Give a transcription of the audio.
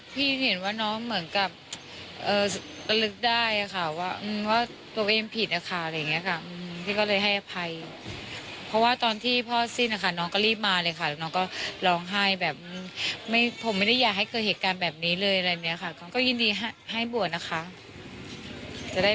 เพราะแกเป็นคนแข็งแรงแล้วก็ไม่มีอะไรอะไรกว่านั้นอ่ะ